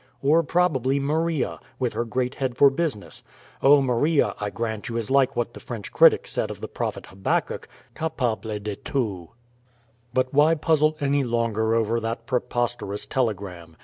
Or probably Maria, with her great head for business oh, Maria, I grant you, is like what the French critic said of the prophet Habakkuk, "capable de tout." But why puzzle any longer over that preposterous telegram?